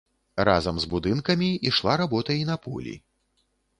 Разам з будынкамі ішла работа і на полі.